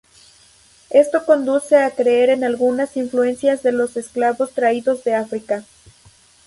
Esto conduce a creer en algunas influencias de los esclavos traídos de África.